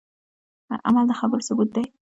عمل د خبرو ثبوت دی